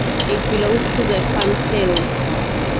It belongs to the fantails.